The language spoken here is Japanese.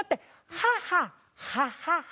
「母ハハハ」。